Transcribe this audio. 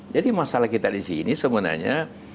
jadi masalah kita di sini sebenarnya